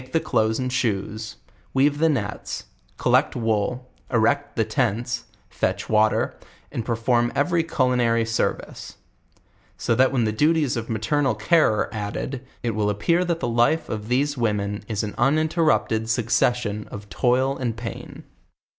he clothes and shoes, weave the nets, collect Wool, erect u.j i, rater, and perform every culinary service; so that when the duties of maternal care 112 JOURNAL OF are added, it will appear that the life of these women in an uninterrupted succession or' toil and pain.